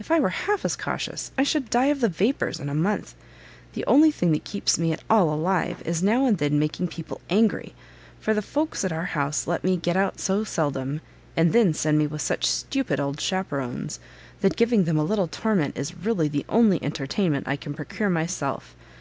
If I were half as cautious, I should die of the vapours in a month; the only thing that keeps me at all alive, is now and then making people angry; for the folks at our house let me go out so seldom, and then send me with such stupid old chaperons, that giving them a little torment is really the only entertainment I can procure myself.